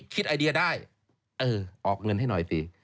ไอเดียได้เออออกเงินให้หน่อยสิ